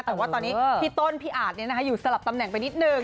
แต่ว่าตอนนี้พี่ต้นพี่อาจอยู่สลับตำแหน่งไปนิดนึง